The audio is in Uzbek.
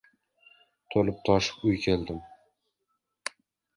To‘lib-toshib uy keldim.